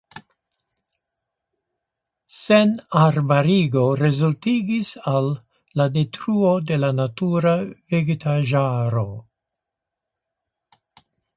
Senarbarigo resultigis al la detruo de la natura vegetaĵaro.